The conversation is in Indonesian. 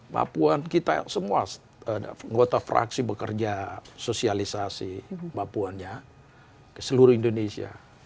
mbak puan kita semua anggota fraksi bekerja sosialisasi mbak puan ya ke seluruh indonesia